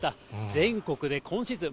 全国で今シーズン